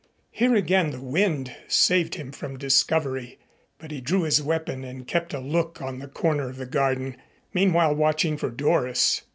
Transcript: Here again the wind saved him from discovery, but he drew his weapon and kept a look on the corner of the garden, meanwhile watching for Doris.